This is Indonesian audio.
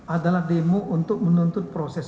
adalah demo untuk menuntut proses